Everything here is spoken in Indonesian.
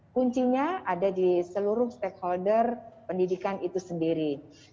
kuncinya ada di seluruh stakeholder pendidikan itu sendiri